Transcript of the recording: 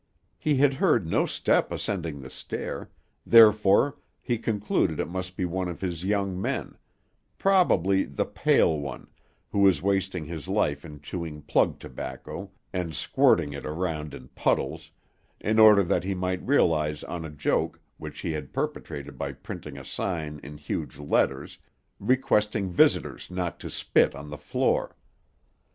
He had heard no step ascending the stair, therefore he concluded it must be one of his young men; probably the pale one, who was wasting his life in chewing plug tobacco, and squirting it around in puddles, in order that he might realize on a joke which he had perpetrated by printing a sign in huge letters, requesting visitors not to spit on the floor.